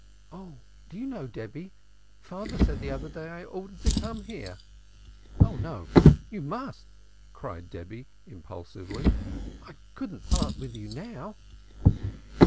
Oh, do you know, Debby, father said the other day I oughtn't to come here?" "Oh no, you must," cried Debby impulsively. "I couldn't part with you now."